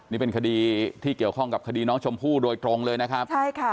นี่เป็นคดีที่เกี่ยวข้องกับคดีน้องชมพู่โดยตรงเลยนะครับใช่ค่ะ